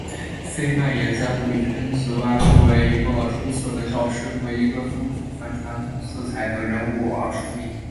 费曼也在物理圈子外作为一个出色的教师和一个富于反传统色彩的人物而出名。